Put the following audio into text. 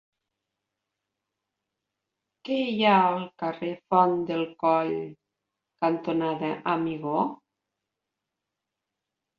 Què hi ha al carrer Font del Coll cantonada Amigó?